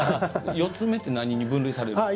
四つ目って何に分類されますか？